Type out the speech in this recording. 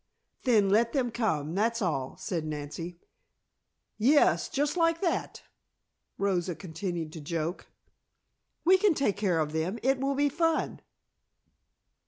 "Then, let them come, that's all," said Nancy. "Yes, just like that," Rosa continued to joke. "We can take care of them. It will be fun."